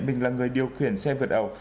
mình là người điều khiển xe vượt ẩu